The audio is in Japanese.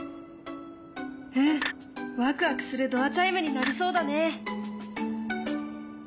うんワクワクするドアチャイムになりそうだね。